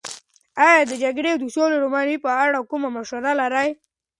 ایا د جګړې او سولې رومان په اړه کومه مشاعره شوې؟